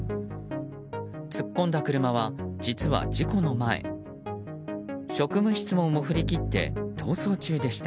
突っ込んだ車は実は事故の前職務質問を振り切って逃走中でした。